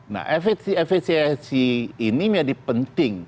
nah efesiensi ini menjadi penting